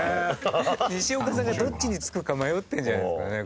にしおかさんがどっちに付くか迷ってるんじゃないですかね。